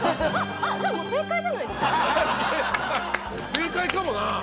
正解かもな。